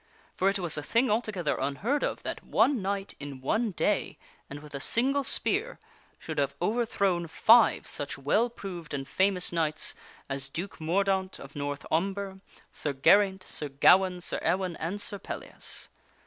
For it was a thing altogether unheard of that one knight, in one day, and with a single spear, should have overthrown five such well proved and famous knights as Duke Mordaunt of North Umber, Sir Geraint, Sir Gawaine, Sir Ewaine, and Sir Pellias.